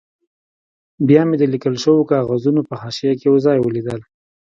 بیا مې د لیکل شوو کاغذونو په حاشیه کې یو ځای ولید.